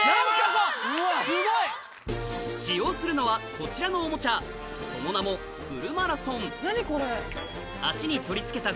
使用するのはこちらのおもちゃその名も「フルマラソン」